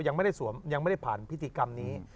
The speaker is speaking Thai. ยังไม่ได้สวมยังไม่ได้ผ่านพิธีกรรมนี้